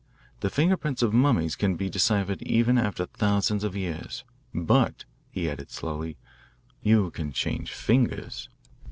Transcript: The fingerprints of mummies can be deciphered even after thousands of years. But," he added slowly, "you can change fingers."